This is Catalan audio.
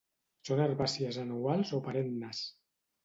Són herbàcies anuals o perennes.